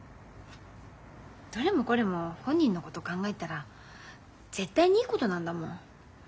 どれもこれも本人のこと考えたら絶対にいいことなんだもん。